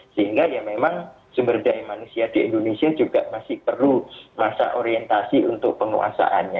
sehingga ya memang sumber daya manusia di indonesia juga masih perlu masa orientasi untuk penguasaannya